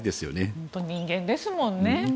本当、人間ですもんね。